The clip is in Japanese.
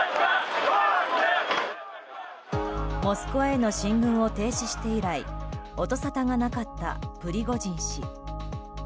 モスクワへの進軍を停止して以来音沙汰がなかったプリゴジン氏。